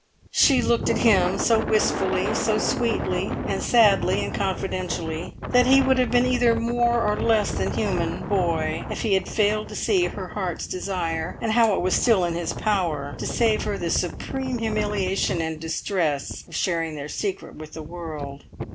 She looked at him so wistfully, so sweetly and sadly and confidentially, that he would have been either more or less than human boy if he had failed to see her heart's desire, and how it was still in his power to save her the supreme humiliation and distress of sharing their secret with the world.